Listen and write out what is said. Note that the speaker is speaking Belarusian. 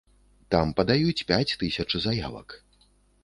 Там падаюць пяць тысяч заявак.